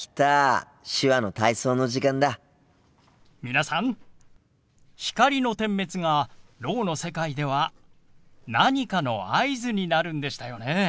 皆さん光の点滅がろうの世界では何かの合図になるんでしたよね。